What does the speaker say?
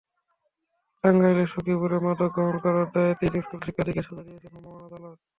টাঙ্গাইলের সখীপুরে মাদক গ্রহণ করার দায়ে তিন স্কুলশিক্ষার্থীকে সাজা দিয়েছেন ভ্রাম্যমাণ আদালত।